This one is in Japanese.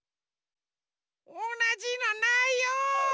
おなじのないよ！